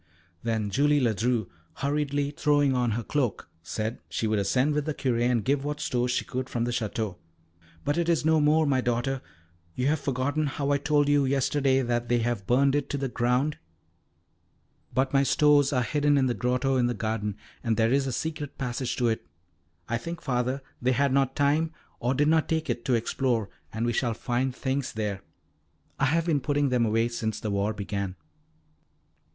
Then Julie Ledru, hurriedly throwing on her cloak, said she would ascend with the Curé and give what stores she could from the Château. "But it is no more, my daughter. You have forgotten how I told you yesterday that they have burned it to the ground." "But my stores are hidden in the grotto in the garden, and there is a secret passage to it. I think, Father, they had not time, or did not take it, to explore, and we shall find things there. I have been putting them away since the war began."